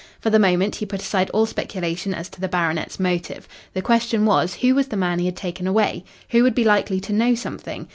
For the moment he put aside all speculation as to the baronet's motive. The question was, who was the man he had taken away? Who would be likely to know something?